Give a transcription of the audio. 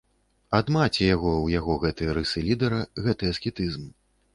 Ад маці яго ў яго гэтыя рысы лідэра, гэты аскетызм.